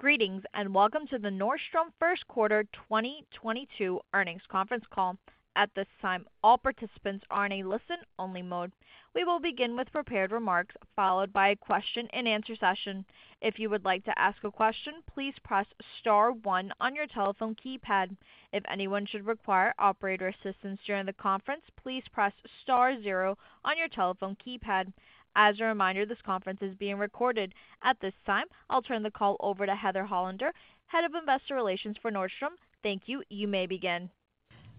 Greetings, and welcome to the Nordstrom first quarter 2022 earnings conference call. At this time, all participants are in a listen-only mode. We will begin with prepared remarks followed by a question-and-answer session. If you would like to ask a question, please press star one on your telephone keypad. If anyone should require operator assistance during the conference, please press star zero on your telephone keypad. As a reminder, this conference is being recorded. At this time, I'll turn the call over to Heather Hollander, Head of Investor Relations for Nordstrom. Thank you. You may begin.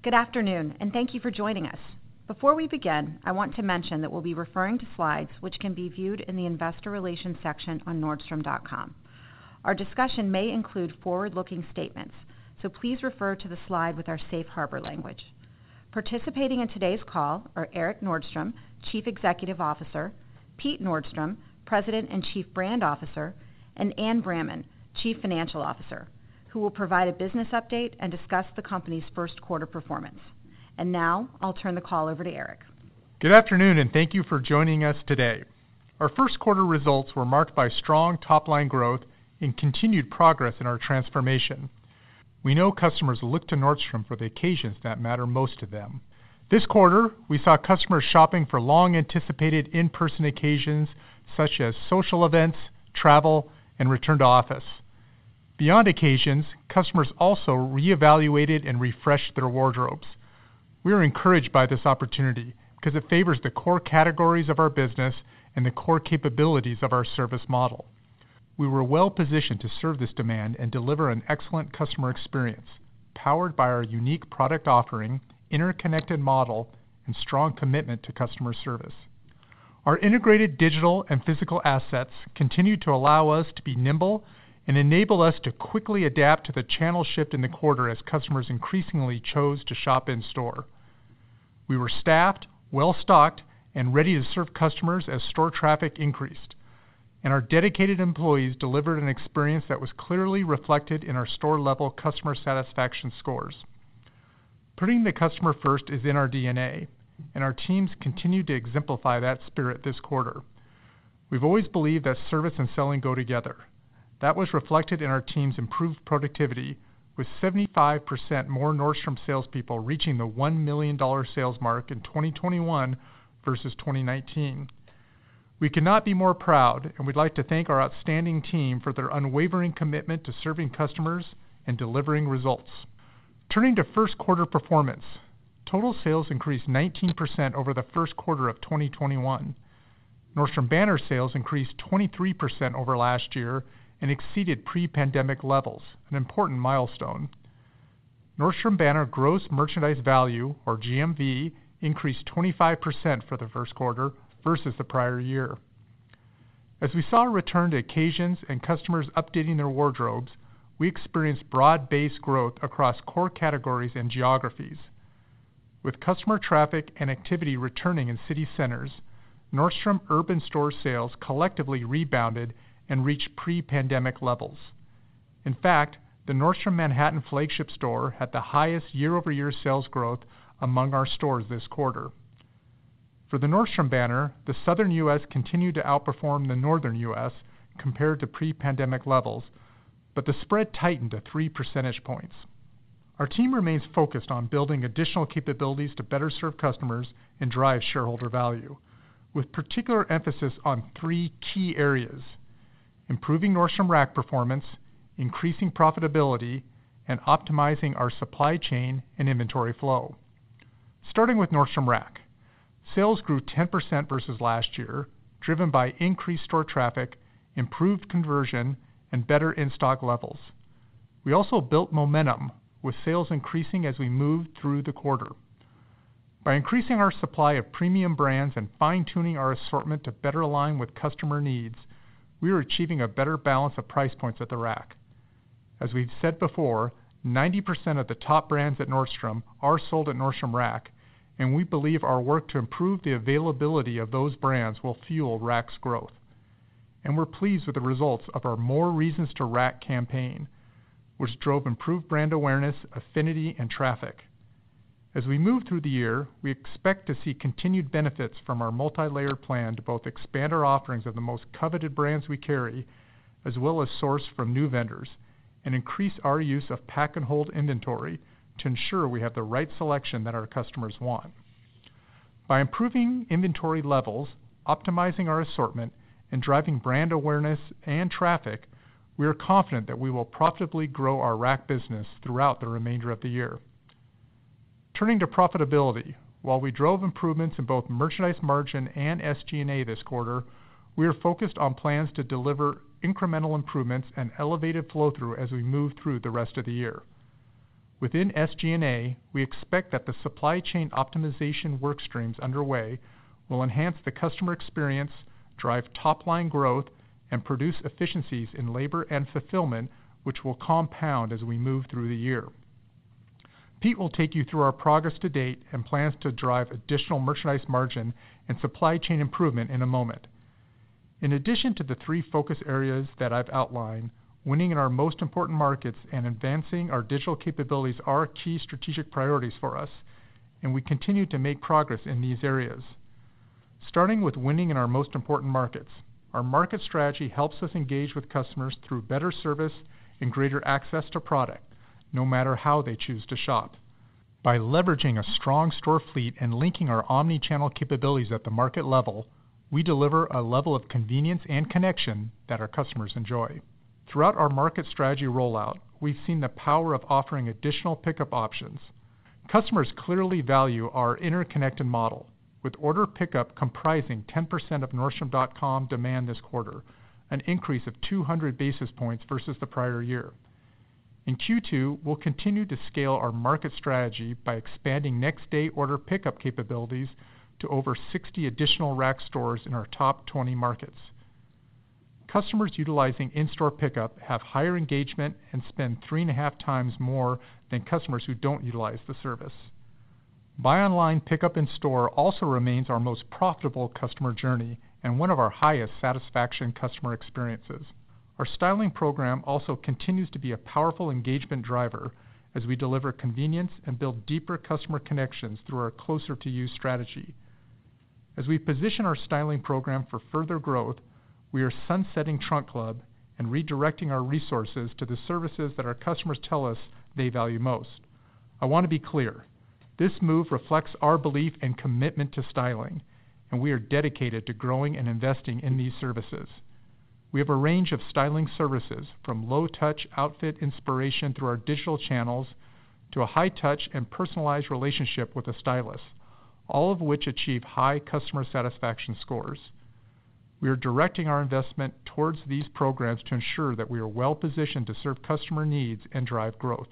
Good afternoon, and thank you for joining us. Before we begin, I want to mention that we'll be referring to slides which can be viewed in the Investor Relations section on nordstrom.com. Our discussion may include forward-looking statements, so please refer to the slide with our safe harbor language. Participating in today's call are Erik Nordstrom, Chief Executive Officer, Pete Nordstrom, President and Chief Brand Officer, and Anne Bramman, Chief Financial Officer, who will provide a business update and discuss the company's first quarter performance. Now I'll turn the call over to Erik. Good afternoon, and thank you for joining us today. Our first quarter results were marked by strong top-line growth and continued progress in our transformation. We know customers look to Nordstrom for the occasions that matter most to them. This quarter, we saw customers shopping for long-anticipated in-person occasions such as social events, travel, and return to office. Beyond occasions, customers also re-evaluated and refreshed their wardrobes. We are encouraged by this opportunity because it favors the core categories of our business and the core capabilities of our service model. We were well-positioned to serve this demand and deliver an excellent customer experience, powered by our unique product offering, interconnected model, and strong commitment to customer service. Our integrated digital and physical assets continue to allow us to be nimble and enable us to quickly adapt to the channel shift in the quarter as customers increasingly chose to shop in store. We were staffed, well-stocked, and ready to serve customers as store traffic increased, and our dedicated employees delivered an experience that was clearly reflected in our store-level customer satisfaction scores. Putting the customer first is in our DNA, and our teams continued to exemplify that spirit this quarter. We've always believed that service and selling go together. That was reflected in our team's improved productivity, with 75% more Nordstrom salespeople reaching the $1 million sales mark in 2021 versus 2019. We cannot be more proud, and we'd like to thank our outstanding team for their unwavering commitment to serving customers and delivering results. Turning to first quarter performance. Total sales increased 19% over the first quarter of 2021. Nordstrom banner sales increased 23% over last year and exceeded pre-pandemic levels, an important milestone. Nordstrom banner gross merchandise value, or GMV, increased 25% for the first quarter versus the prior year. As we saw a return to occasions and customers updating their wardrobes, we experienced broad-based growth across core categories and geographies. With customer traffic and activity returning in city centers, Nordstrom urban store sales collectively rebounded and reached pre-pandemic levels. In fact, the Nordstrom Manhattan flagship store had the highest year-over-year sales growth among our stores this quarter. For the Nordstrom banner, the Southern U.S. continued to outperform the Northern U.S. compared to pre-pandemic levels, but the spread tightened to three percentage points. Our team remains focused on building additional capabilities to better serve customers and drive shareholder value, with particular emphasis on three key areas, improving Nordstrom Rack performance, increasing profitability, and optimizing our supply chain and inventory flow. Starting with Nordstrom Rack, sales grew 10% versus last year, driven by increased store traffic, improved conversion, and better in-stock levels. We also built momentum with sales increasing as we moved through the quarter. By increasing our supply of premium brands and fine-tuning our assortment to better align with customer needs, we are achieving a better balance of price points at the Rack. As we've said before, 90% of the top brands at Nordstrom are sold at Nordstrom Rack, and we believe our work to improve the availability of those brands will fuel Rack's growth. We're pleased with the results of our More Reasons to Rack campaign, which drove improved brand awareness, affinity, and traffic. As we move through the year, we expect to see continued benefits from our multilayered plan to both expand our offerings of the most coveted brands we carry, as well as source from new vendors and increase our use of pack and hold inventory to ensure we have the right selection that our customers want. By improving inventory levels, optimizing our assortment, and driving brand awareness and traffic, we are confident that we will profitably grow our Rack business throughout the remainder of the year. Turning to profitability. While we drove improvements in both merchandise margin and SG&A this quarter, we are focused on plans to deliver incremental improvements and elevated flow-through as we move through the rest of the year. Within SG&A, we expect that the supply chain optimization work streams underway will enhance the customer experience, drive top-line growth, and produce efficiencies in labor and fulfillment, which will compound as we move through the year. Pete will take you through our progress to date and plans to drive additional merchandise margin and supply chain improvement in a moment. In addition to the three focus areas that I've outlined, winning in our most important markets and advancing our digital capabilities are key strategic priorities for us, and we continue to make progress in these areas. Starting with winning in our most important markets, our market strategy helps us engage with customers through better service and greater access to product, no matter how they choose to shop. By leveraging a strong store fleet and linking our omni-channel capabilities at the market level, we deliver a level of convenience and connection that our customers enjoy. Throughout our market strategy rollout, we've seen the power of offering additional pickup options. Customers clearly value our interconnected model, with order pickup comprising 10% of Nordstrom.com demand this quarter, an increase of 200 basis points versus the prior year. In Q2, we'll continue to scale our market strategy by expanding next-day order pickup capabilities to over 60 additional Rack stores in our top 20 markets. Customers utilizing in-store pickup have higher engagement and spend 3.5x more than customers who don't utilize the service. Buy online, pickup in store also remains our most profitable customer journey and one of our highest satisfaction customer experiences. Our styling program also continues to be a powerful engagement driver as we deliver convenience and build deeper customer connections through our Closer to You strategy. As we position our styling program for further growth, we are sunsetting Trunk Club and redirecting our resources to the services that our customers tell us they value most. I want to be clear: this move reflects our belief and commitment to styling, and we are dedicated to growing and investing in these services. We have a range of styling services, from low-touch outfit inspiration through our digital channels to a high-touch and personalized relationship with a stylist, all of which achieve high customer satisfaction scores. We are directing our investment towards these programs to ensure that we are well-positioned to serve customer needs and drive growth.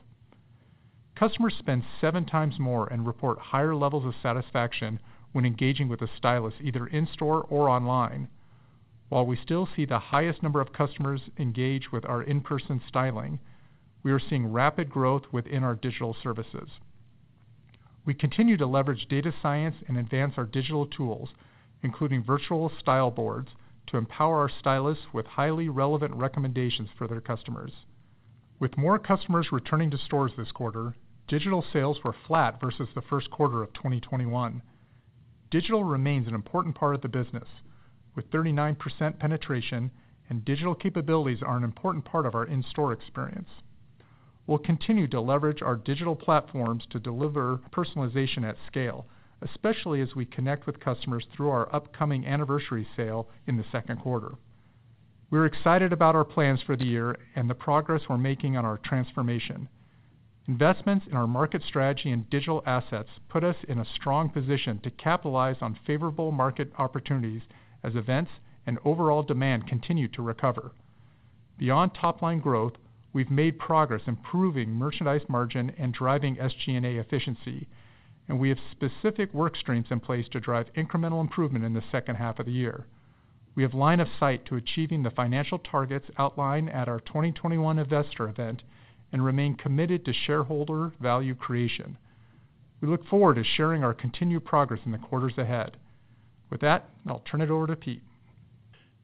Customers spend 7x more and report higher levels of satisfaction when engaging with a stylist, either in-store or online. While we still see the highest number of customers engage with our in-person styling, we are seeing rapid growth within our digital services. We continue to leverage data science and advance our digital tools, including virtual style boards, to empower our stylists with highly relevant recommendations for their customers. With more customers returning to stores this quarter, digital sales were flat versus the first quarter of 2021. Digital remains an important part of the business, with 39% penetration and digital capabilities are an important part of our in-store experience. We'll continue to leverage our digital platforms to deliver personalization at scale, especially as we connect with customers through our upcoming anniversary sale in the second quarter. We're excited about our plans for the year and the progress we're making on our transformation. Investments in our market strategy and digital assets put us in a strong position to capitalize on favorable market opportunities as events and overall demand continue to recover. Beyond top-line growth, we've made progress improving merchandise margin and driving SG&A efficiency, and we have specific work streams in place to drive incremental improvement in the second half of the year. We have line of sight to achieving the financial targets outlined at our 2021 investor event and remain committed to shareholder value creation. We look forward to sharing our continued progress in the quarters ahead. With that, I'll turn it over to Pete.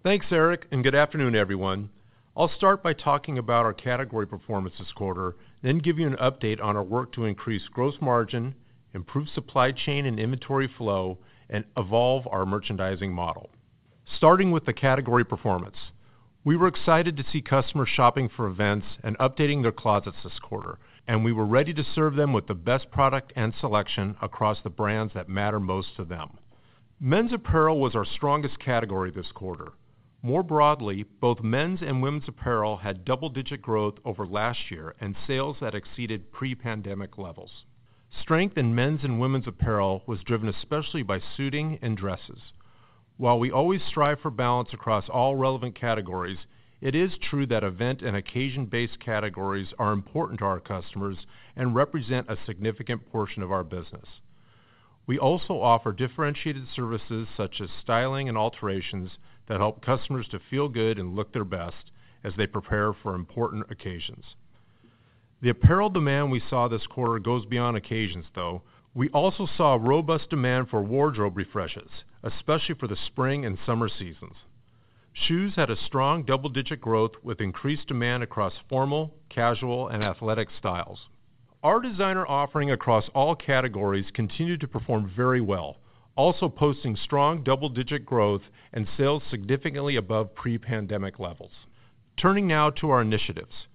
Thanks, Erik, and good afternoon, everyone. I'll start by talking about our category performance this quarter, then give you an update on our work to increase gross margin, improve supply chain and inventory flow, and evolve our merchandising model. Starting with the category performance, we were excited to see customers shopping for events and updating their closets this quarter, and we were ready to serve them with the best product and selection across the brands that matter most to them. Men's apparel was our strongest category this quarter. More broadly, both men's and women's apparel had double-digit growth over last year and sales that exceeded pre-pandemic levels. Strength in men's and women's apparel was driven especially by suiting and dresses. While we always strive for balance across all relevant categories, it is true that event and occasion-based categories are important to our customers and represent a significant portion of our business. We also offer differentiated services such as styling and alterations that help customers to feel good and look their best as they prepare for important occasions. The apparel demand we saw this quarter goes beyond occasions, though. We also saw robust demand for wardrobe refreshes, especially for the spring and summer seasons. Shoes had a strong double-digit growth with increased demand across formal, casual, and athletic styles. Our designer offering across all categories continued to perform very well, also posting strong double-digit growth and sales significantly above pre-pandemic levels. Turning now to our initiatives.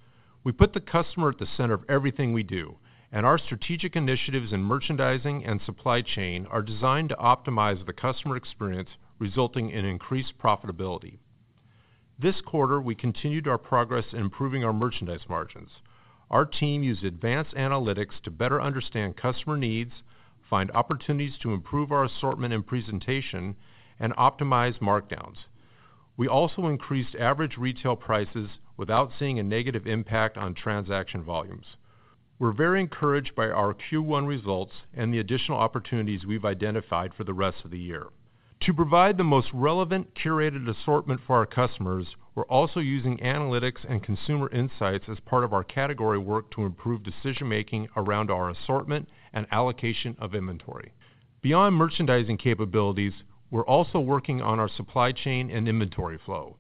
We put the customer at the center of everything we do, and our strategic initiatives in merchandising and supply chain are designed to optimize the customer experience, resulting in increased profitability. This quarter, we continued our progress in improving our merchandise margins. Our team used advanced analytics to better understand customer needs, find opportunities to improve our assortment and presentation, and optimize markdowns. We also increased average retail prices without seeing a negative impact on transaction volumes. We're very encouraged by our Q1 results and the additional opportunities we've identified for the rest of the year. To provide the most relevant curated assortment for our customers, we're also using analytics and consumer insights as part of our category work to improve decision-making around our assortment and allocation of inventory. Beyond merchandising capabilities, we're also working on our supply chain and inventory flow.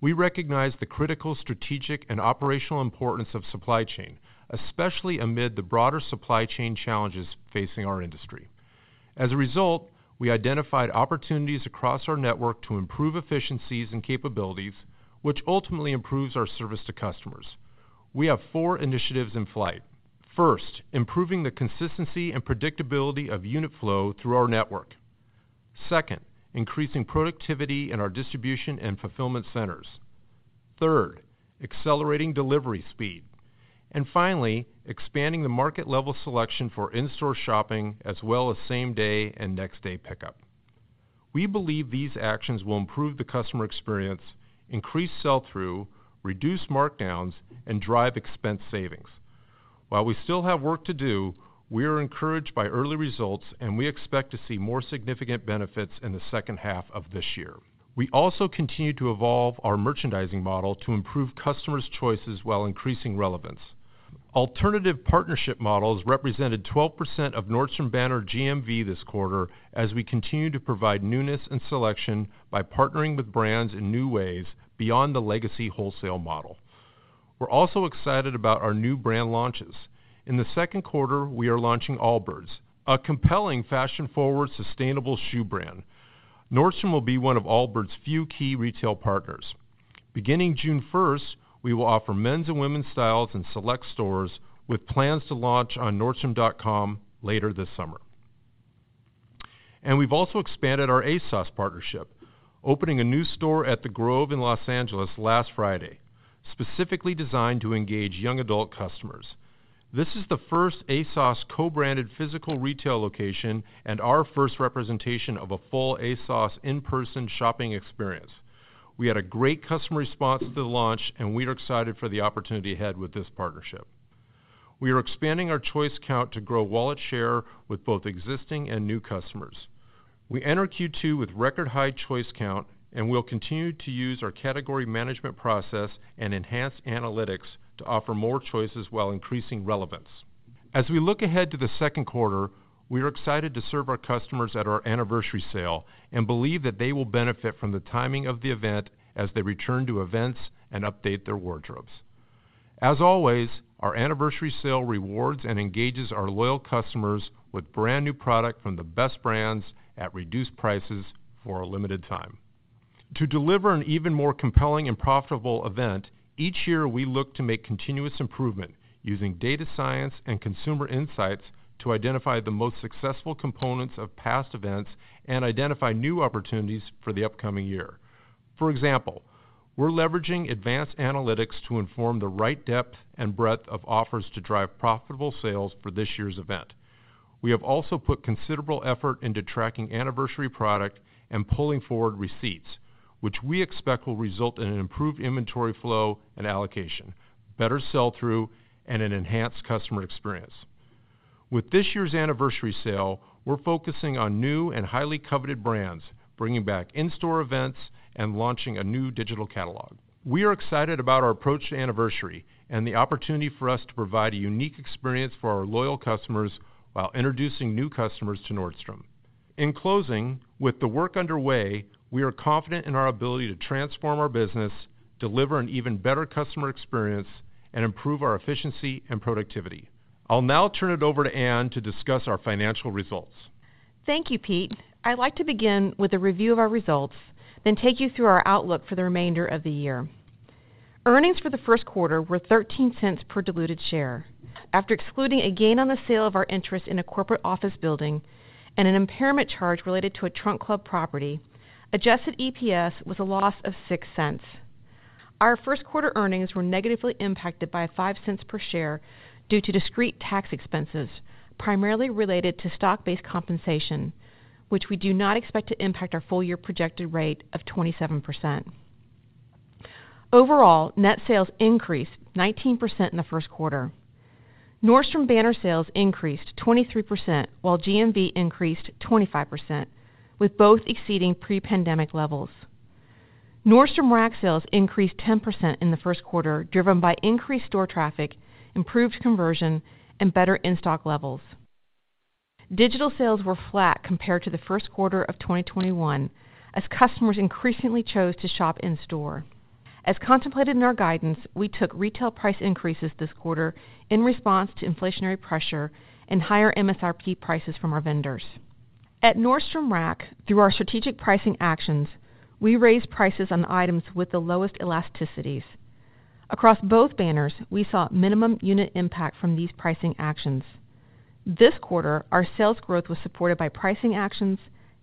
We recognize the critical strategic and operational importance of supply chain, especially amid the broader supply chain challenges facing our industry. As a result, we identified opportunities across our network to improve efficiencies and capabilities, which ultimately improves our service to customers. We have four initiatives in flight. First, improving the consistency and predictability of unit flow through our network. Second, increasing productivity in our distribution and fulfillment centers. Third, accelerating delivery speed, and finally, expanding the market level selection for in-store shopping as well as same day and next day pickup. We believe these actions will improve the customer experience, increase sell-through, reduce markdowns, and drive expense savings. While we still have work to do, we are encouraged by early results, and we expect to see more significant benefits in the second half of this year. We also continue to evolve our merchandising model to improve customers' choices while increasing relevance. Alternative partnership models represented 12% of Nordstrom banner GMV this quarter as we continue to provide newness and selection by partnering with brands in new ways beyond the legacy wholesale model. We're also excited about our new brand launches. In the second quarter, we are launching Allbirds, a compelling fashion-forward, sustainable shoe brand. Nordstrom will be one of Allbirds' few key retail partners. Beginning June first, we will offer men's and women's styles in select stores with plans to launch on nordstrom.com later this summer. We've also expanded our ASOS partnership, opening a new store at The Grove in Los Angeles last Friday, specifically designed to engage young adult customers. This is the first ASOS co-branded physical retail location and our first representation of a full ASOS in-person shopping experience. We had a great customer response to the launch, and we are excited for the opportunity ahead with this partnership. We are expanding our choice count to grow wallet share with both existing and new customers. We enter Q2 with record high choice count, and we'll continue to use our category management process and enhance analytics to offer more choices while increasing relevance. As we look ahead to the second quarter, we are excited to serve our customers at our Anniversary Sale and believe that they will benefit from the timing of the event as they return to events and update their wardrobes. As always, our Anniversary Sale rewards and engages our loyal customers with brand-new product from the best brands at reduced prices for a limited time. To deliver an even more compelling and profitable event, each year, we look to make continuous improvement using data science and consumer insights to identify the most successful components of past events and identify new opportunities for the upcoming year. For example, we're leveraging advanced analytics to inform the right depth and breadth of offers to drive profitable sales for this year's event. We have also put considerable effort into tracking anniversary product and pulling forward receipts, which we expect will result in an improved inventory flow and allocation, better sell-through, and an enhanced customer experience. With this year's anniversary sale, we're focusing on new and highly coveted brands, bringing back in-store events and launching a new digital catalog. We are excited about our approach to anniversary and the opportunity for us to provide a unique experience for our loyal customers while introducing new customers to Nordstrom. In closing, with the work underway, we are confident in our ability to transform our business, deliver an even better customer experience, and improve our efficiency and productivity. I'll now turn it over to Anne to discuss our financial results. Thank you, Pete. I'd like to begin with a review of our results, then take you through our outlook for the remainder of the year. Earnings for the first quarter were $0.13 per diluted share. After excluding a gain on the sale of our interest in a corporate office building and an impairment charge related to a Trunk Club property, adjusted EPS was a loss of $0.06. Our first quarter earnings were negatively impacted by $0.05 per share due to discrete tax expenses, primarily related to stock-based compensation, which we do not expect to impact our full year projected rate of 27%. Overall, net sales increased 19% in the first quarter. Nordstrom banner sales increased 23%, while GMV increased 25%, with both exceeding pre-pandemic levels. Nordstrom Rack sales increased 10% in the first quarter, driven by increased store traffic, improved conversion, and better in-stock levels. Digital sales were flat compared to the first quarter of 2021 as customers increasingly chose to shop in-store. As contemplated in our guidance, we took retail price increases this quarter in response to inflationary pressure and higher MSRP prices from our vendors. At Nordstrom Rack, through our strategic pricing actions, we raised prices on items with the lowest elasticities. Across both banners, we saw minimum unit impact from these pricing actions. This quarter, our sales growth was supported by pricing actions,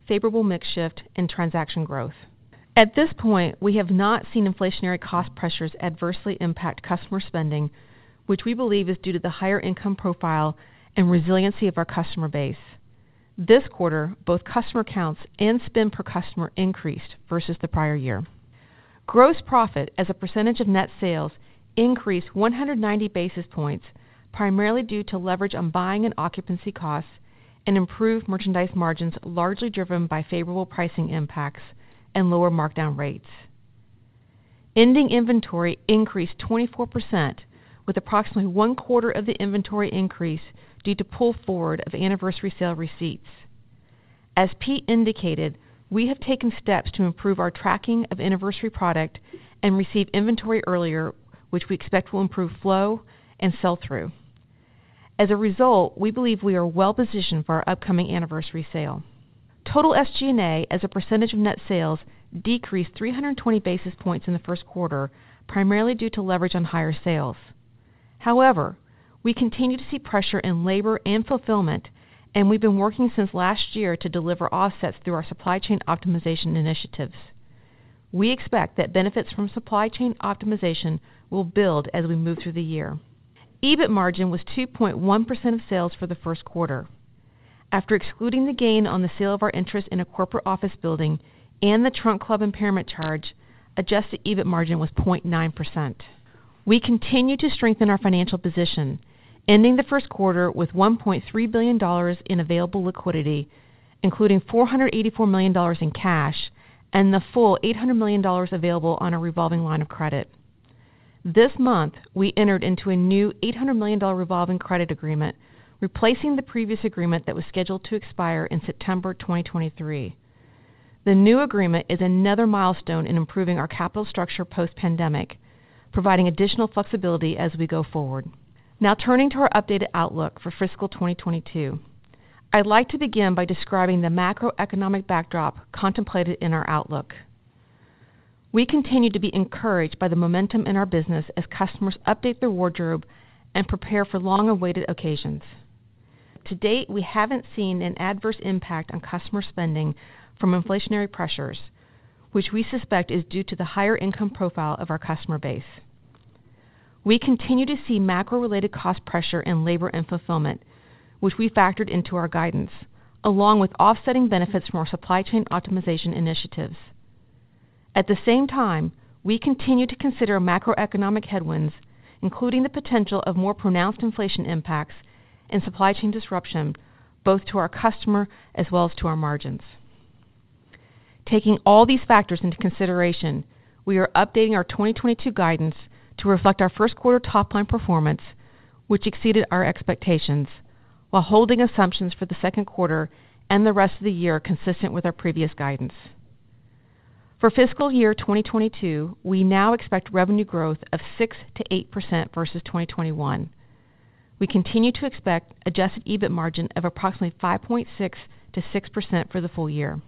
favorable mix shift, and transaction growth. At this point, we have not seen inflationary cost pressures adversely impact customer spending, which we believe is due to the higher income profile and resiliency of our customer base. This quarter, both customer counts and spend per customer increased versus the prior year. Gross profit as a percentage of net sales increased 190 basis points, primarily due to leverage on buying and occupancy costs and improved merchandise margins, largely driven by favorable pricing impacts and lower markdown rates. Ending inventory increased 24%, with approximately one quarter of the inventory increase due to pull forward of anniversary sale receipts. As Pete indicated, we have taken steps to improve our tracking of anniversary product and receive inventory earlier, which we expect will improve flow and sell-through. As a result, we believe we are well positioned for our upcoming anniversary sale. Total SG&A as a percentage of net sales decreased 320 basis points in the first quarter, primarily due to leverage on higher sales. However, we continue to see pressure in labor and fulfillment, and we've been working since last year to deliver offsets through our supply chain optimization initiatives. We expect that benefits from supply chain optimization will build as we move through the year. EBIT margin was 2.1% of sales for the first quarter. After excluding the gain on the sale of our interest in a corporate office building and the Trunk Club impairment charge, adjusted EBIT margin was 0.9%. We continue to strengthen our financial position, ending the first quarter with $1.3 billion in available liquidity, including $484 million in cash and the full $800 million available on a revolving line of credit. This month, we entered into a new $800 million revolving credit agreement, replacing the previous agreement that was scheduled to expire in September 2023. The new agreement is another milestone in improving our capital structure post-pandemic, providing additional flexibility as we go forward. Now turning to our updated outlook for fiscal 2022. I'd like to begin by describing the macroeconomic backdrop contemplated in our outlook. We continue to be encouraged by the momentum in our business as customers update their wardrobe and prepare for long-awaited occasions. To date, we haven't seen an adverse impact on customer spending from inflationary pressures, which we suspect is due to the higher income profile of our customer base. We continue to see macro-related cost pressure in labor and fulfillment, which we factored into our guidance, along with offsetting benefits from our supply chain optimization initiatives. At the same time, we continue to consider macroeconomic headwinds, including the potential of more pronounced inflation impacts and supply chain disruption, both to our customer as well as to our margins. Taking all these factors into consideration, we are updating our 2022 guidance to reflect our first quarter top line performance, which exceeded our expectations, while holding assumptions for the second quarter and the rest of the year consistent with our previous guidance. For fiscal year 2022, we now expect revenue growth of 6%-8% versus 2021. We continue to expect adjusted EBIT margin of approximately 5.6%-6% for the full year.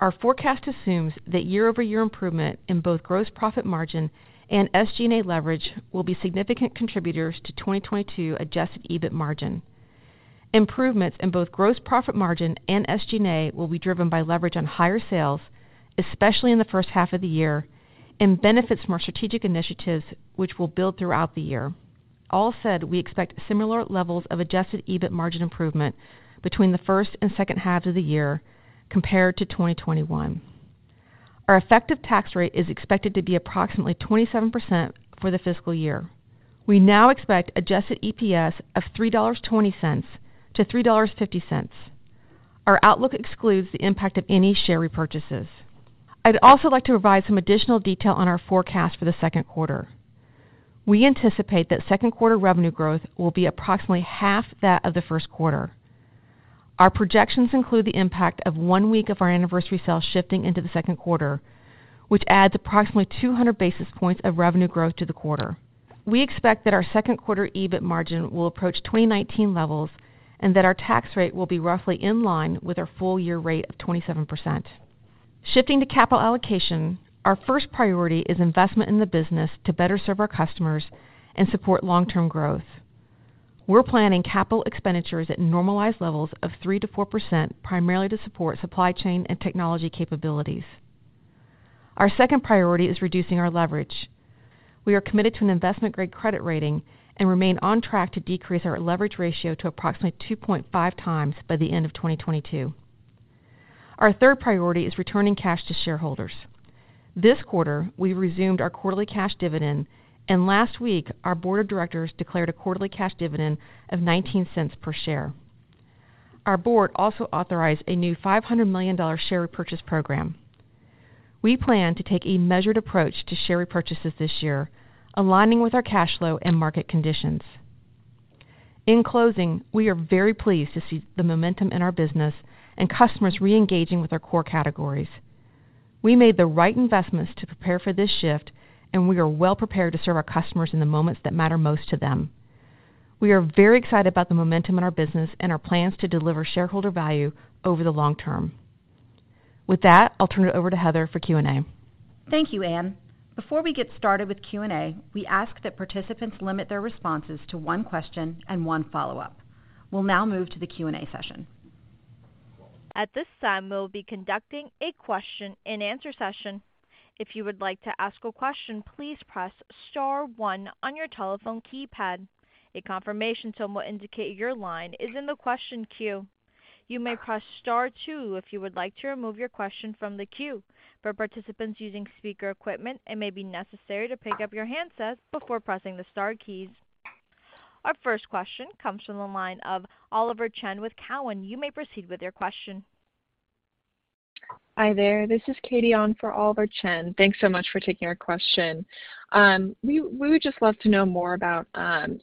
Our forecast assumes that year-over-year improvement in both gross profit margin and SG&A leverage will be significant contributors to 2022 adjusted EBIT margin. Improvements in both gross profit margin and SG&A will be driven by leverage on higher sales, especially in the first half of the year, and benefits from our strategic initiatives, which will build throughout the year. All said, we expect similar levels of adjusted EBIT margin improvement between the first and second halves of the year compared to 2021. Our effective tax rate is expected to be approximately 27% for the fiscal year. We now expect adjusted EPS of $3.20-$3.50. Our outlook excludes the impact of any share repurchases. I'd also like to provide some additional detail on our forecast for the second quarter. We anticipate that second quarter revenue growth will be approximately half that of the first quarter. Our projections include the impact of one week of our anniversary sale shifting into the second quarter, which adds approximately 200 basis points of revenue growth to the quarter. We expect that our second quarter EBIT margin will approach 2019 levels and that our tax rate will be roughly in line with our full year rate of 27%. Shifting to capital allocation, our first priority is investment in the business to better serve our customers and support long-term growth. We're planning capital expenditures at normalized levels of 3%-4%, primarily to support supply chain and technology capabilities. Our second priority is reducing our leverage. We are committed to an investment-grade credit rating and remain on track to decrease our leverage ratio to approximately 2.5x by the end of 2022. Our third priority is returning cash to shareholders. This quarter, we resumed our quarterly cash dividend, and last week, our board of directors declared a quarterly cash dividend of $0.19 per share. Our board also authorized a new $500 million share repurchase program. We plan to take a measured approach to share repurchases this year, aligning with our cash flow and market conditions. In closing, we are very pleased to see the momentum in our business and customers reengaging with our core categories. We made the right investments to prepare for this shift, and we are well prepared to serve our customers in the moments that matter most to them. We are very excited about the momentum in our business and our plans to deliver shareholder value over the long term. With that, I'll turn it over to Heather for Q&A. Thank you, Anne. Before we get started with Q&A, we ask that participants limit their responses to one question and one follow-up. We'll now move to the Q&A session. At this time, we will be conducting a question and answer session. If you would like to ask a question, please press star one on your telephone keypad. A confirmation tone will indicate your line is in the question queue. You may press star two if you would like to remove your question from the queue. For participants using speaker equipment, it may be necessary to pick up your handset before pressing the star keys. Our first question comes from the line of Oliver Chen with TD Cowen. You may proceed with your question. Hi there. This is Katie on for Oliver Chen. Thanks so much for taking our question. We would just love to know more about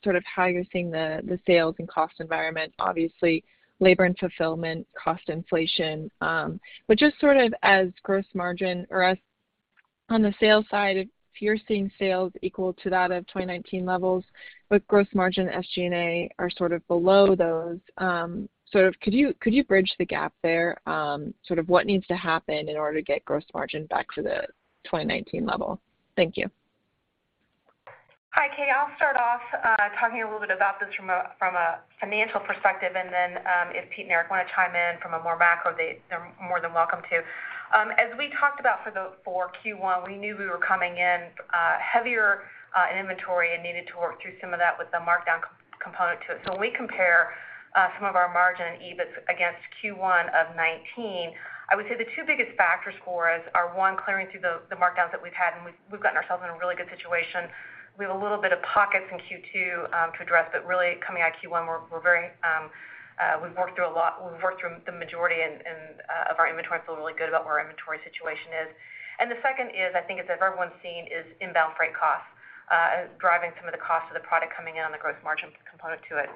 sort of how you're seeing the sales and cost environment, obviously labor and fulfillment cost inflation, but just sort of as gross margin or as on the sales side, if you're seeing sales equal to that of 2019 levels, but gross margin SG&A are sort of below those, sort of could you bridge the gap there, sort of what needs to happen in order to get gross margin back to the 2019 level? Thank you. Hi, Katie. I'll start off talking a little bit about this from a financial perspective, and then, if Pete and Erik wanna chime in from a more macro data, they're more than welcome to. As we talked about for Q1, we knew we were coming in heavier in inventory and needed to work through some of that with the markdown component to it. When we compare some of our margin EBIT against Q1 of 2019, I would say the two biggest factors for us are, one, clearing through the markdowns that we've had, and we've gotten ourselves in a really good situation. We have a little bit of pockets in Q2 to address, but really coming at Q1, we're very. We've worked through a lot. We've worked through the majority and of our inventory, feel really good about where our inventory situation is. The second is, I think as everyone's seen, inbound freight costs driving some of the cost of the product coming in on the gross margin component to it.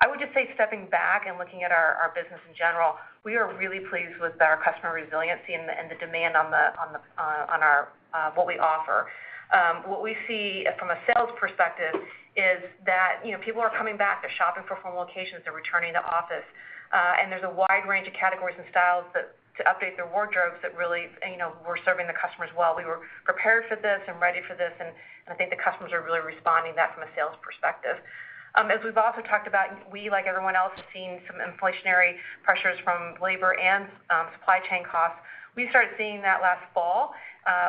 I would just say stepping back and looking at our business in general, we are really pleased with our customer resiliency and the demand for what we offer. What we see from a sales perspective is that, you know, people are coming back. They're shopping for home occasions. They're returning to office. There's a wide range of categories and styles that to update their wardrobes that really, you know, we're serving the customers well. We were prepared for this and ready for this, and I think the customers are really responding that from a sales perspective. As we've also talked about, we, like everyone else, have seen some inflationary pressures from labor and supply chain costs. We started seeing that last fall.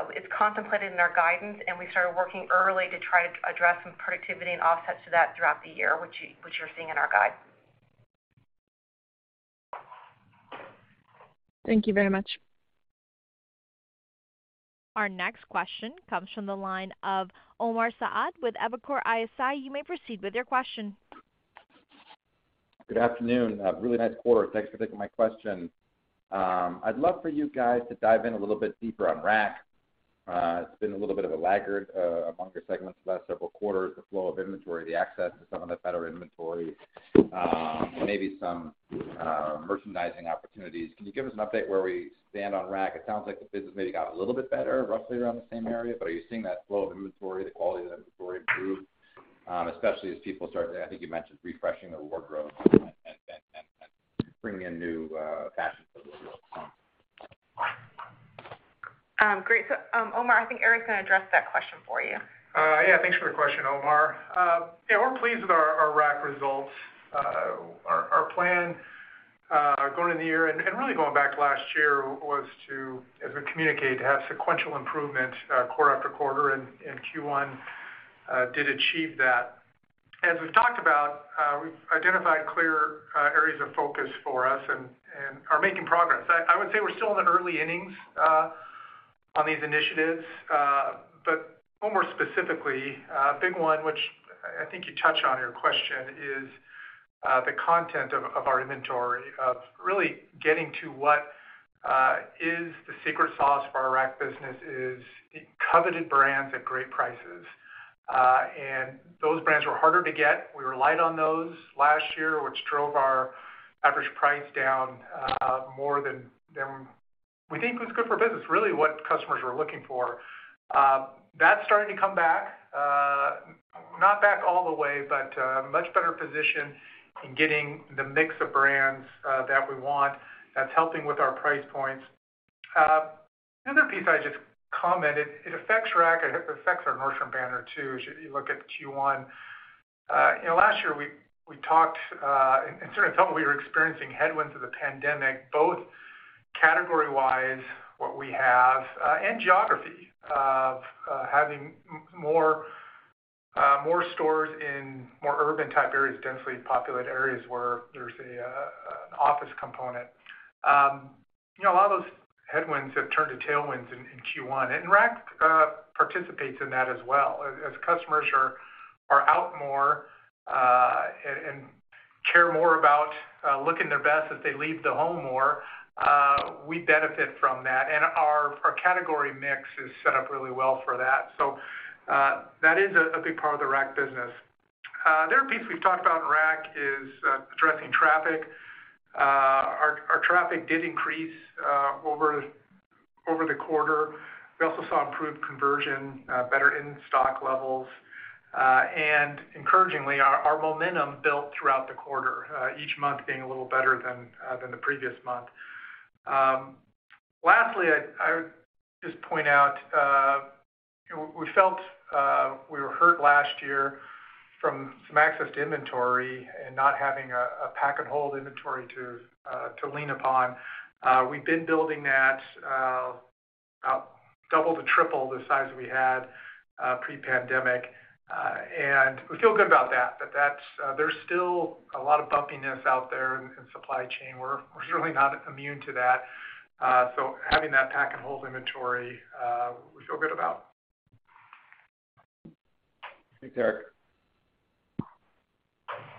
It's contemplated in our guidance, and we started working early to try to address some productivity and offsets to that throughout the year, which you're seeing in our guide. Thank you very much. Our next question comes from the line of Omar Saad with Evercore ISI. You may proceed with your question. Good afternoon. A really nice quarter. Thanks for taking my question. I'd love for you guys to dive in a little bit deeper on Rack. It's been a little bit of a laggard among your segments the last several quarters, the flow of inventory, the access to some of the better inventory, maybe some merchandising opportunities. Can you give us an update where we stand on Rack? It sounds like the business maybe got a little bit better, roughly around the same area, but are you seeing that flow of inventory, the quality of the inventory improve, especially as people start to, I think you mentioned refreshing their wardrobes and bringing in new fashions as we move on. Great. Omar, I think Erik's gonna address that question for you. Yeah, thanks for the question, Omar. Yeah, we're pleased with our Rack results. Our plan going in the year and really going back last year was to, as we communicate, to have sequential improvement quarter after quarter, and Q1 did achieve that. As we've talked about, we've identified clear areas of focus for us and are making progress. I would say we're still in the early innings on these initiatives, but one more specifically big one, which I think you touch on in your question is the content of our inventory of really getting to what is the secret sauce for our Rack business is coveted brands at great prices. And those brands were harder to get. We were light on those last year, which drove our average price down more than we think was good for business, really what customers were looking for. That's starting to come back, not back all the way, but a much better position in getting the mix of brands that we want. That's helping with our price points. Another piece I just commented, it affects Rack. It affects our merchant banner too, as you look at Q1. You know, last year we talked and sort of felt we were experiencing headwinds of the pandemic, both category-wise, what we have, and geography of having more stores in more urban type areas, densely populated areas where there's an office component. You know, a lot of those headwinds have turned to tailwinds in Q1, and Rack participates in that as well. As customers are out more and care more about looking their best as they leave the home more, we benefit from that. Our category mix is set up really well for that. That is a big part of the Rack business. The other piece we've talked about in Rack is addressing traffic. Our traffic did increase over the quarter. We also saw improved conversion, better in-stock levels, and encouragingly, our momentum built throughout the quarter, each month being a little better than the previous month. Lastly, I would just point out we felt we were hurt last year from some access to inventory and not having a pack and hold inventory to lean upon. We've been building that, double to triple the size we had pre-pandemic, and we feel good about that. There's still a lot of bumpiness out there in supply chain. We're certainly not immune to that. Having that pack and hold inventory, we feel good about. Thanks, Erik.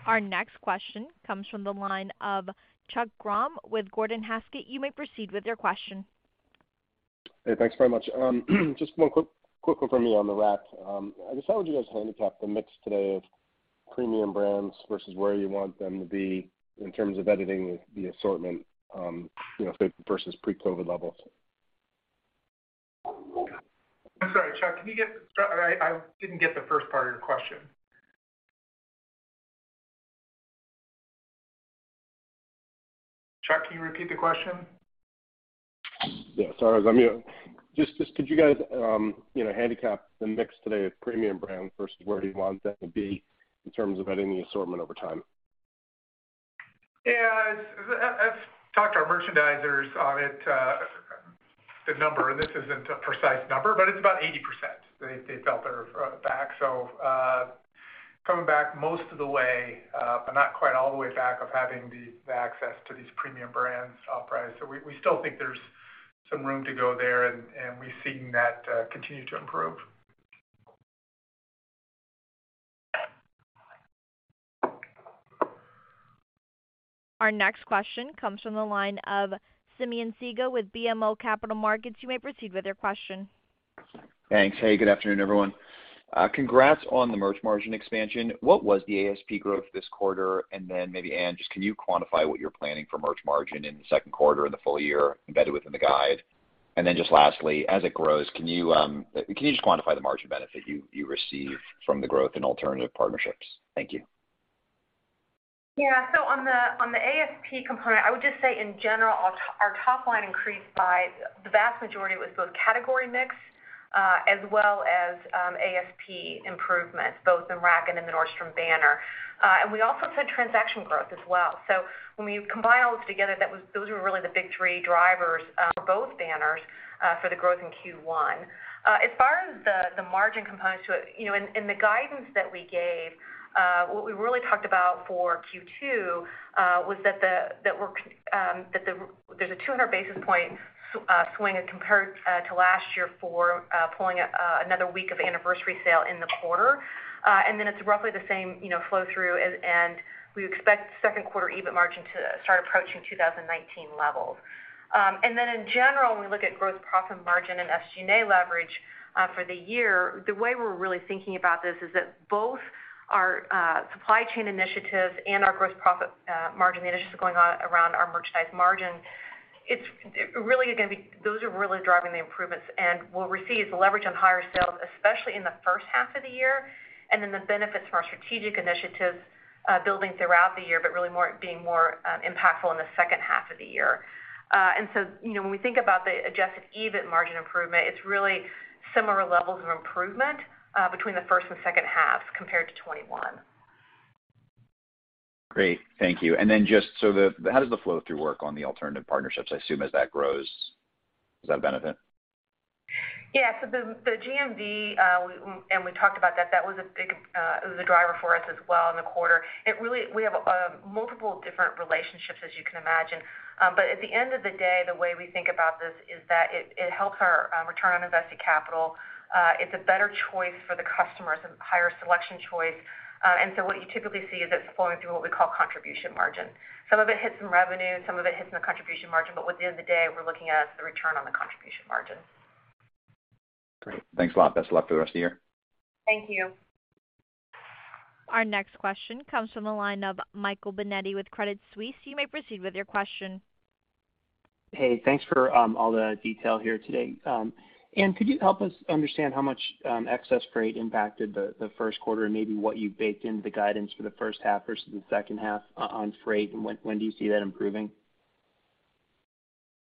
Our next question comes from the line of Chuck Grom with Gordon Haskett. You may proceed with your question. Hey, thanks very much. Just one quick one for me on the Rack. How would you guys handicap the mix today of premium brands versus where you want them to be in terms of editing the assortment, you know, versus pre-COVID levels? I'm sorry, Chuck, I didn't get the first part of your question. Chuck, can you repeat the question? Yeah. Sorry. I'm mute. Just could you guys, you know, handicap the mix today of premium brands versus where do you want them to be in terms of editing the assortment over time? I've talked to our merchandisers on it, the number, and this isn't a precise number, but it's about 80%. They felt they're back. Coming back most of the way, but not quite all the way back to having the access to these premium brands price. We still think there's some room to go there, and we've seen that continue to improve. Our next question comes from the line of Simeon Siegel with BMO Capital Markets. You may proceed with your question. Thanks. Hey, good afternoon, everyone. Congrats on the merch margin expansion. What was the ASP growth this quarter? Then maybe, Anne, just can you quantify what you're planning for merch margin in the second quarter and the full year embedded within the guide? Lastly, as it grows, can you just quantify the margin benefit you received from the growth in alternative partnerships? Thank you. Yeah. On the ASP component, I would just say in general, our top line increased by the vast majority was both category mix, as well as ASP improvements, both in Rack and in the Nordstrom banner. We also said transaction growth as well. When we combine all this together, those were really the big three drivers, for both banners, for the growth in Q1. As far as the margin components to it, you know, in the guidance that we gave, what we really talked about for Q2 was that there's a 200 basis points swing as compared to last year for pulling another week of anniversary sale in the quarter. It's roughly the same, you know, flow through, and we expect second quarter EBIT margin to start approaching 2019 levels. In general, when we look at growth, profit margin and SG&A leverage for the year, the way we're really thinking about this is that both our supply chain initiatives and our gross profit margin initiatives going on around our merchandise margin, those are really driving the improvements. We'll receive the leverage on higher sales, especially in the first half of the year, and then the benefits from our strategic initiatives building throughout the year, but really being more impactful in the second half of the year. You know, when we think about the adjusted EBIT margin improvement, it's really similar levels of improvement between the first and second half compared to 2021. Great. Thank you. How does the flow through work on the alternative partnerships? I assume as that grows, does that benefit? Yeah. The GMV and we talked about that was a big driver for us as well in the quarter. It really. We have multiple different relationships, as you can imagine. At the end of the day, the way we think about this is that it helps our return on invested capital. It's a better choice for the customers and higher selection choice. What you typically see is it's flowing through what we call contribution margin. Some of it hits in revenue, some of it hits in the contribution margin. At the end of the day, we're looking at the return on the contribution margin. Great. Thanks a lot. Best of luck for the rest of the year. Thank you. Our next question comes from the line of Michael Binetti with Credit Suisse. You may proceed with your question. Hey, thanks for all the detail here today. Anne, could you help us understand how much excess freight impacted the first quarter and maybe what you baked into the guidance for the first half versus the second half on freight, and when do you see that improving?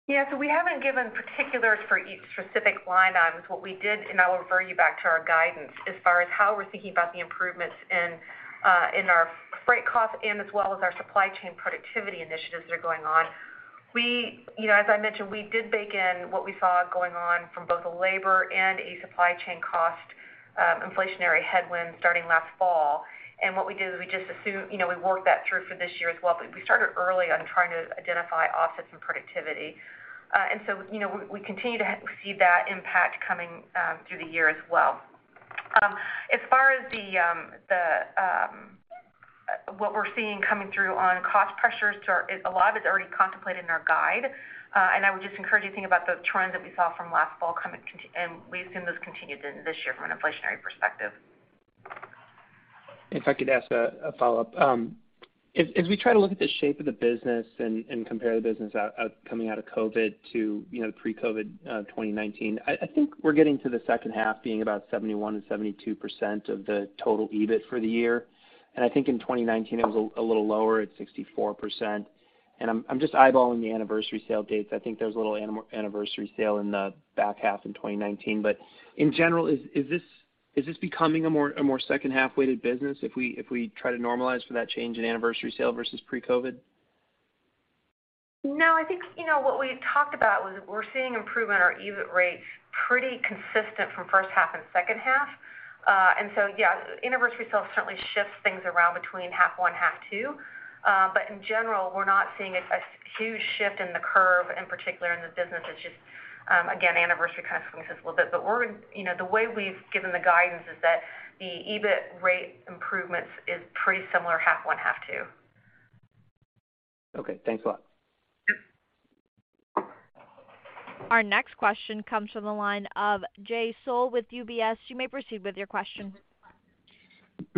Yeah. We haven't given particulars for each specific line items. What we did, and I will refer you back to our guidance as far as how we're thinking about the improvements in our freight costs and as well as our supply chain productivity initiatives that are going on. You know, as I mentioned, we did bake in what we saw going on from both a labor and a supply chain cost, inflationary headwind starting last fall. What we did is we just assumed, you know, we worked that through for this year as well, but we started early on trying to identify offsets and productivity. You know, we continue to see that impact coming through the year as well. As far as what we're seeing coming through on cost pressures, a lot is already contemplated in our guide. I would just encourage you to think about the trends that we saw from last fall and we assume this continued in this year from an inflationary perspective. If I could ask a follow-up. As we try to look at the shape of the business and compare the business coming out of COVID to, you know, pre-COVID, 2019, I think we're getting to the second half being about 71%-72% of the total EBIT for the year. I think in 2019, it was a little lower at 64%. I'm just eyeballing the anniversary sale dates. I think there was a little anniversary sale in the back half in 2019. In general, is this becoming a more second half-weighted business if we try to normalize for that change in anniversary sale versus pre-COVID? No. I think, you know, what we had talked about was we're seeing improvement in our EBIT rates pretty consistent from first half and second half. Yeah, anniversary sales certainly shifts things around between half one, half two. In general, we're not seeing a huge shift in the curve, in particular in the business. It's just, again, anniversary kind of swings this a little bit. You know, the way we've given the guidance is that the EBIT rate improvements is pretty similar half one, half two. Okay, thanks a lot. Our next question comes from the line of Jay Sole with UBS. You may proceed with your question.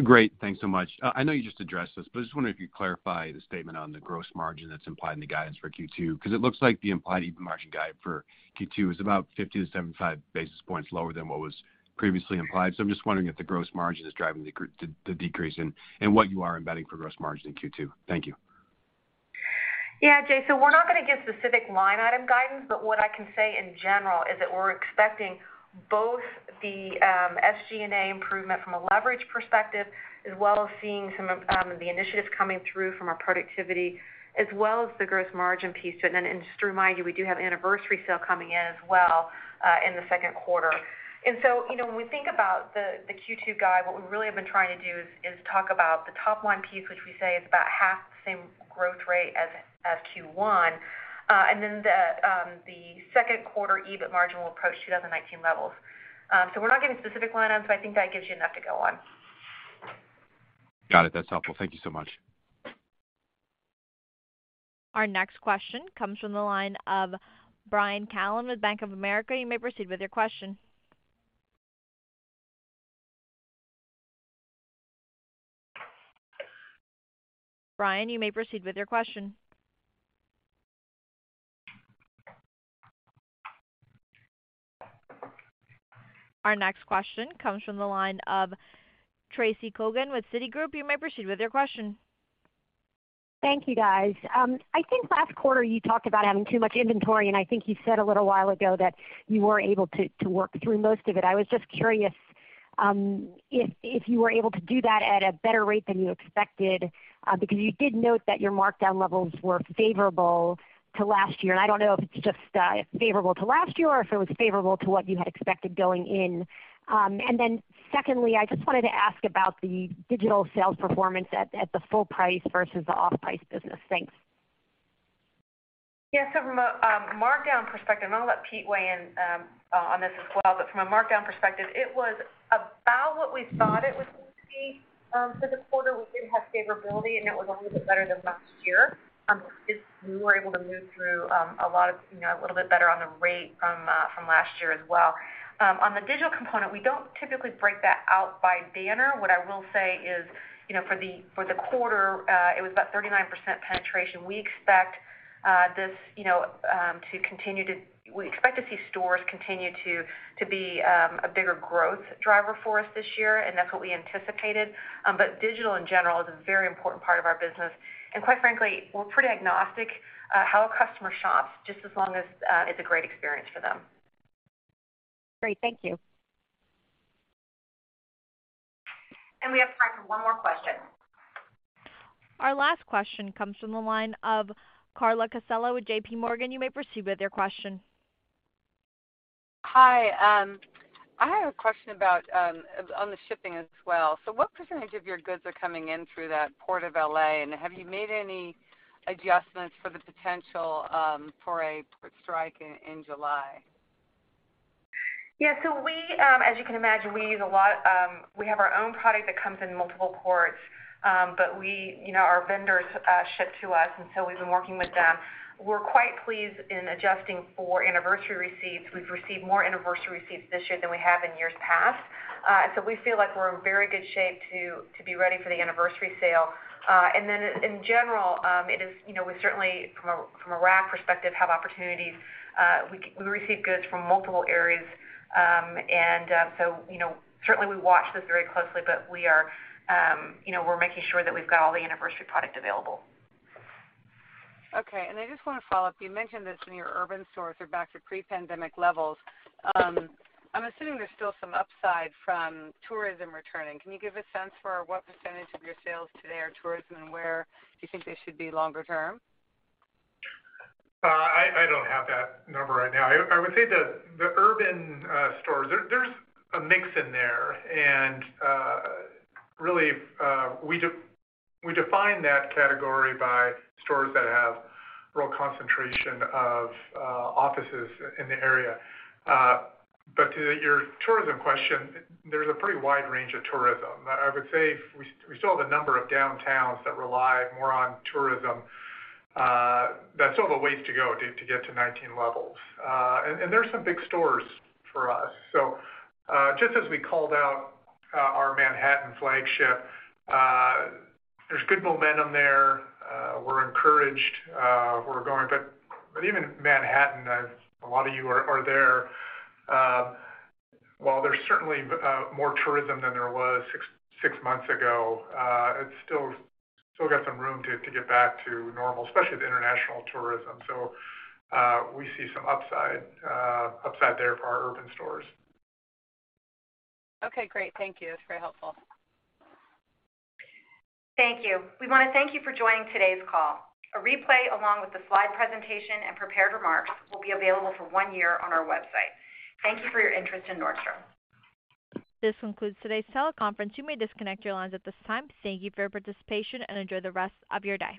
Great. Thanks so much. I know you just addressed this, but I just wonder if you clarify the statement on the gross margin that's implied in the guidance for Q2, 'cause it looks like the implied EBIT margin guide for Q2 is about 50-75 basis points lower than what was previously implied. I'm just wondering if the gross margin is driving the decrease and what you are embedding for gross margin in Q2. Thank you. Yeah. Jay, we're not gonna give specific line item guidance, but what I can say in general is that we're expecting both the SG&A improvement from a leverage perspective, as well as seeing some the initiatives coming through from our productivity as well as the gross margin piece. Then just to remind you, we do have Anniversary Sale coming in as well in the second quarter. You know, when we think about the Q2 guide, what we really have been trying to do is talk about the top line piece which we say is about half the same growth rate as Q1. Then the second quarter EBIT margin will approach 2019 levels. We're not giving specific line items, so I think that gives you enough to go on. Got it. That's helpful. Thank you so much. Our next question comes from the line of Brian Callen with Bank of America. You may proceed with your question. Brian, you may proceed with your question. Our next question comes from the line of Tracy Kogan with Citigroup. You may proceed with your question. Thank you, guys. I think last quarter you talked about having too much inventory, and I think you said a little while ago that you were able to to work through most of it. I was just curious, if you were able to do that at a better rate than you expected, because you did note that your markdown levels were favorable to last year. I don't know if it's just favorable to last year or if it was favorable to what you had expected going in. Secondly, I just wanted to ask about the digital sales performance at the full price versus the off-price business. Thanks. Yeah. From a markdown perspective, and I'll let Pete weigh in on this as well, but from a markdown perspective, it was about what we thought it was going to be. For the quarter, we did have favorability, and it was a little bit better than last year, as we were able to move through a lot of, you know, a little bit better on the rate from last year as well. On the digital component, we don't typically break that out by banner. What I will say is, you know, for the quarter, it was about 39% penetration. We expect to see stores continue to be a bigger growth driver for us this year, and that's what we anticipated. Digital in general is a very important part of our business. Quite frankly, we're pretty agnostic how a customer shops just as long as it's a great experience for them. Great. Thank you. We have time for one more question. Our last question comes from the line of Carla Casella with JP Morgan. You may proceed with your question. Hi. I have a question about on the shipping as well. What percentage of your goods are coming in through that Port of L.A., and have you made any adjustments for the potential for a port strike in July? Yeah. We, as you can imagine, we use a lot. We have our own product that comes in multiple ports. But we, you know, our vendors ship to us, and so we've been working with them. We're quite pleased in adjusting for Anniversary receipts. We've received more Anniversary receipts this year than we have in years past. We feel like we're in very good shape to be ready for the Anniversary Sale. In general, it is, you know, we certainly from a Rack perspective have opportunities. We receive goods from multiple areas. Certainly we watch this very closely, but we are, you know, we're making sure that we've got all the Anniversary product available. Okay. I just wanna follow up. You mentioned that your urban stores are back to pre-pandemic levels. I'm assuming there's still some upside from tourism returning. Can you give a sense for what percentage of your sales today are from tourism and where you think they should be longer term? I don't have that number right now. I would say the urban stores, there's a mix in there. We define that category by stores that have real concentration of offices in the area. To your tourism question, there's a pretty wide range of tourism. I would say we saw the number of downtowns that rely more on tourism that still have a ways to go to get to 19 levels. There's some big stores for us. Just as we called out, our Manhattan flagship, there's good momentum there. We're encouraged, we're going. Even Manhattan, as a lot of you are there, while there's certainly more tourism than there was six months ago, it's still got some room to get back to normal, especially the international tourism. We see some upside there for our urban stores. Okay, great. Thank you. That's very helpful. Thank you. We wanna thank you for joining today's call. A replay along with the slide presentation and prepared remarks will be available for one year on our website. Thank you for your interest in Nordstrom. This concludes today's teleconference. You may disconnect your lines at this time. Thank you for your participation, and enjoy the rest of your day.